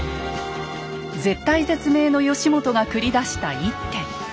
絶体絶命の義元が繰り出した一手。